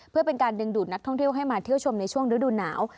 เพื่อเป็นการดึงดูดนักท่องเที่ยวให้มาเที่ยวชมในช่วงฤดูหนาว